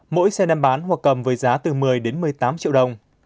mỗi xe đem bán hoặc cầm với giá từ một mươi đến một mươi tám triệu đồng